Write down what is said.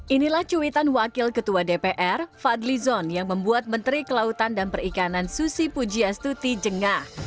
inilah cuwitan wakil ketua dpr fadlizon yang membuat menteri kelautan dan perikanan susi pujias tutsi jengah